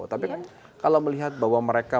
tapi kan kalau melihat bahwa mereka